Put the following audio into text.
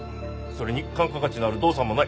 それに換価価値のある動産もない。